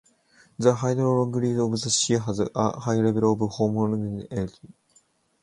The hydrology of the sea has a high level of homogeneity.